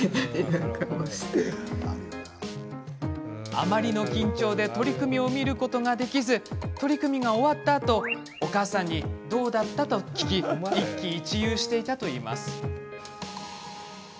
あまりの緊張で取組を見ることができず取組が終わったあとお母さんにどうだった？と聞き一喜一憂していたといいます。